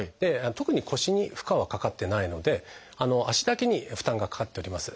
特に腰に負荷はかかってないので足だけに負担がかかっております。